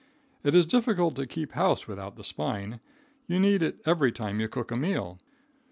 It is difficult to keep house without the spine. You need it every time you cook a meal.